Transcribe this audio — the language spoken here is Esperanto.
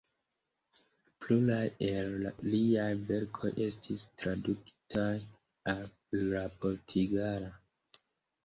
Pluraj el liaj verkoj estis tradukitaj al la portugala.